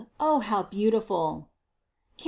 O how beauti ful (Cant.